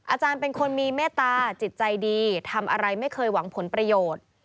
อาจารย์เป็นคนมีเมตตาจิตใจดีทำอะไรไม่เคยหวังผลประโยชน์